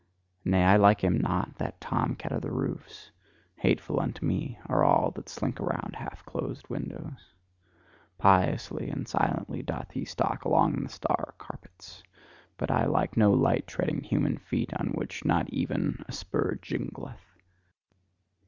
Nay, I like him not, that tom cat on the roofs! Hateful unto me are all that slink around half closed windows! Piously and silently doth he stalk along on the star carpets: but I like no light treading human feet, on which not even a spur jingleth.